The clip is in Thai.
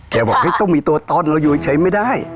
บอกต้องมีตัวตนเราอยู่เฉยไม่ได้